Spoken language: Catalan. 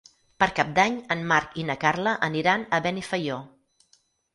Per Cap d'Any en Marc i na Carla aniran a Benifaió.